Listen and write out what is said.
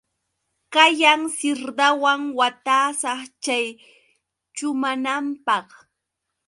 Kayan sirdawan watasa chay chumananpaq.